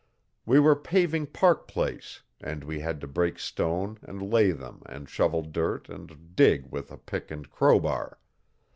We were paving Park Place and we had to break stone and lay them and shovel dirt and dig with a pick and crowbar.